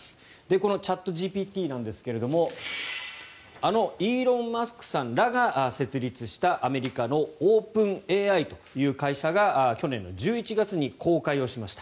このチャットＧＰＴなんですがあのイーロン・マスクさんらが設立したアメリカのオープンＡＩという会社が去年の１１月に公開をしました。